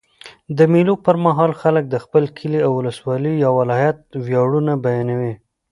د مېلو پر مهال خلک د خپل کلي، اولسوالۍ یا ولایت ویاړونه بیانوي.